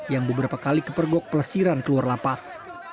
yang beberapa kali kepergok pelesiran keluar lapas